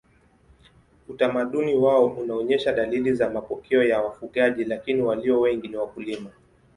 Utamaduni wao unaonyesha dalili za mapokeo ya wafugaji lakini walio wengi ni wakulima.